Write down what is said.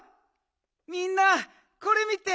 みんなこれ見て！